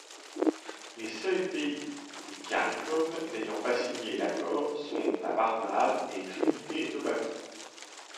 Les seuls pays du Caricom n'ayant pas signé l'accord sont la Barbade et Trinité-et-Tobago.